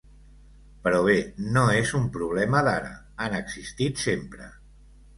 Però bé, no és un problema d’ara, han existit sempre.